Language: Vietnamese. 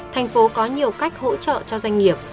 tp hcm có nhiều cách hỗ trợ cho doanh nghiệp